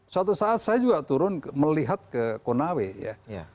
suatu saat saya juga turun melihat ke konawe ya